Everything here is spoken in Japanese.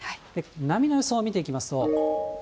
波の予想を見ていきますと。